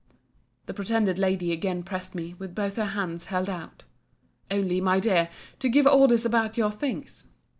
The pretended Lady again pressed me, with both her hands held out—Only, my dear, to give orders about your things.